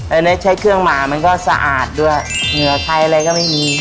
อันนี้ใช้เครื่องหมามันก็สะอาดด้วยเหงื่อใครอะไรก็ไม่มี